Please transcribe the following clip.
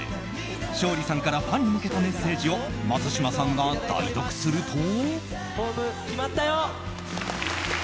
勝利さんからファンに向けたメッセージを松島さんが代読すると。